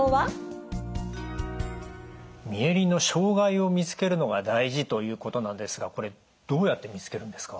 ミエリンの傷害を見つけるのが大事ということなんですがどうやって見つけるんですか？